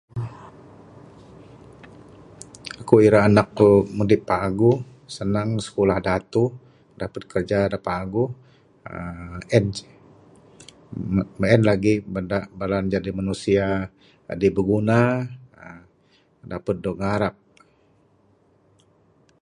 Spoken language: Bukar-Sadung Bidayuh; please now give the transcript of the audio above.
Aku ira anak aku mudip paguh sanang sikulah datuh dapud kiraja da paguh uhh en ceh...meng en lagi bada bala ne jadi manusia jadi biguna napud dog ngarap.